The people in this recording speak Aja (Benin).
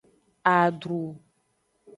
Adru.